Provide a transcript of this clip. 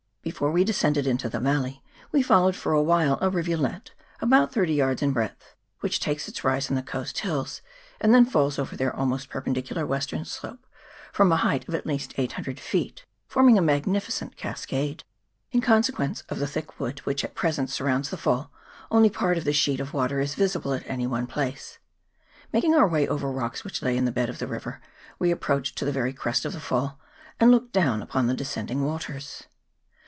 Before we de scended into the valley we followed for a while a rivulet about thirty yards in breadth, which takes its rise in the coast hills, and then falls over their almost perpendicular western slope from a height of at least eight hundred feet, forming a magnifi cent cascade. In consequence of the thick wood 410 WAIHO RIVER. [PART u. which at present surrounds the fall, only part of the sheet of water is visible at any one place. Mak ing our way over rocks which lay in the bed of the river, we approached to the very crest of the fall, and looked down upon the descending waters.